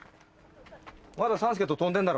まだ３助と跳んでんだろ？